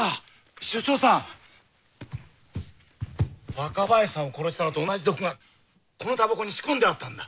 署長さん若林さんを殺したのと同じ毒がこのたばこに仕込んであったんだ。